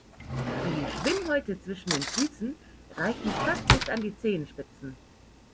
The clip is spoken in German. Die Schwimmhäute zwischen den Füßen reichen fast bis an die Zehenspitzen.